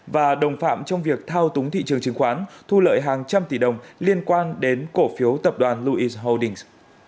và đồng phạm trong việc thao túng thị trường chứng khoán thu lợi hàng trăm tỷ đồng liên quan đến cổ phiếu tập đoàn louis holdings